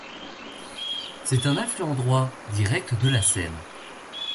C'est un affluent droit direct de la Seine.